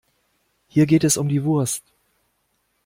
Hier geht es um die Wurst.